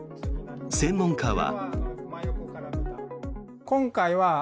専門家は。